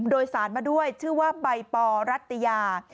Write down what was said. โดยสารมาด้วยชื่อว่าใบปอรัตยา